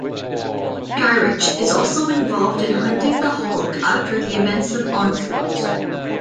Gyrich is also involved in hunting the Hulk after the events of Onslaught.